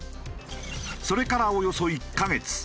それからおよそ１カ月。